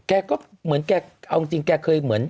แกก็เหมือนแกเอาจริงแกเคยเหมือน